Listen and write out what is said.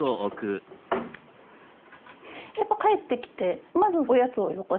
やっぱ帰ってきてまずおやつをよこせと。